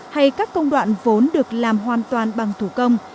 hay các công đoạn vốn được làm hoàn toàn bằng thủ công